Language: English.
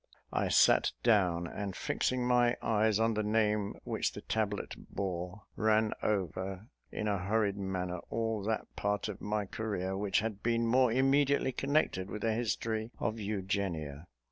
I sat down, and fixing my eyes on the name which the tablet bore, ran over, in a hurried manner, all that part of my career which had been more immediately connected with the history of Eugenia.